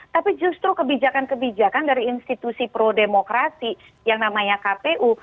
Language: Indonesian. tapi justru kebijakan kebijakan dari institusi pro demokrasi yang namanya kpu